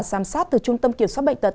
sám sát từ trung tâm kiểm soát bệnh tật